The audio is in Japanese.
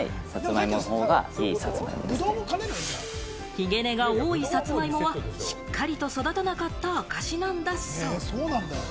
ヒゲ根が多いさつまいもは、しっかりと育たなかった証しなんだそう。